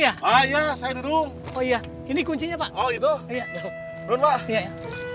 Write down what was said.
sampai jumpa di video selanjutnya